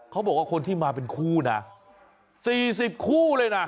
เขาบอกว่าคนที่มาเป็นคู่นะ๔๐คู่เลยนะ